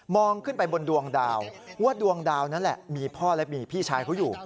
องขึ้นไปบนดวงดาวว่าดวงดาวนั่นแหละมีพ่อและมีพี่ชายเขาอยู่